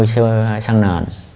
hai mươi xe xăng nền